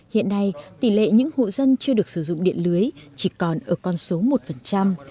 hiện nay tỷ lệ những hộ dân chưa được sử dụng điện lưới chỉ còn ở con số một